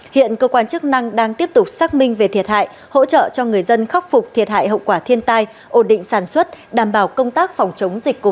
hiện cơ quan chức năng đang tiếp tục xác minh về thiệt hại hỗ trợ cho người dân khắc phục thiệt hại hậu quả thiên tai ổn định sản xuất đảm bảo công tác phòng chống dịch covid một mươi chín